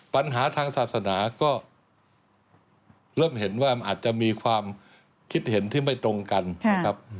ปัญหาทางศาสนาก็เริ่มเห็นว่ามันอาจจะมีความคิดเห็นที่ไม่ตรงกันนะครับ